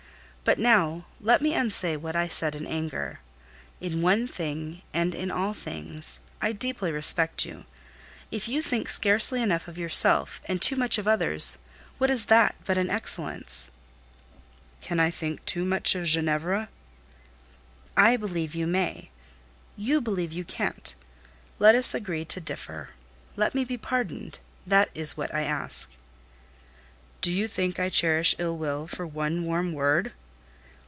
But now, let me unsay what I said in anger. In one thing, and in all things, I deeply respect you. If you think scarcely enough of yourself, and too much of others, what is that but an excellence?" "Can I think too much of Ginevra?" "I believe you may; you believe you can't. Let us agree to differ. Let me be pardoned; that is what I ask." "Do you think I cherish ill will for one warm word?"